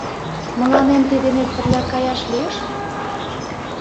— Мыланем тый денет пырля каяш лиеш?